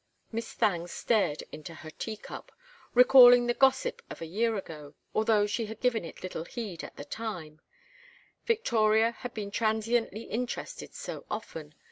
Miss Thangue stared into her teacup, recalling the gossip of a year ago, although she had given it little heed at the time: Victoria had been transiently interested so often!